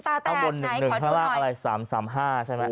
ข้างบน๑๑ข้างล่างอะไร๓๓๕ใช่ไหม